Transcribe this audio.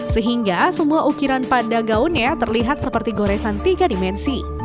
sehingga semua ukiran pada gaunnya terlihat seperti goresan tiga dimensi